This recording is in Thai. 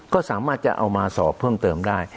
ก็สามารถจะเอามาสอบเพิ่มเติมได้